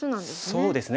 そうですね。